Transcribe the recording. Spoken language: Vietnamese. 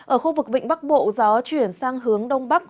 ở khu vực vịnh bắc bộ gió chuyển sang hướng đông bắc